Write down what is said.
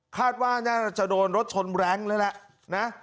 คาดว่าน่าจะโดนรถชนแรงเลยแหละนะ